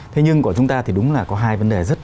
thế nhưng của chúng ta thì đúng là có hai vấn đề rất